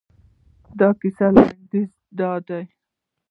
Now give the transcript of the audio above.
د کیسې لنډیز دادی.